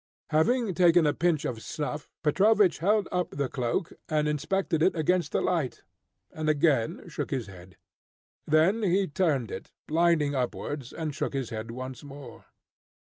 Having taken a pinch of snuff, Petrovich held up the cloak, and inspected it against the light, and again shook his head. Then he turned it, lining upwards, and shook his head once more.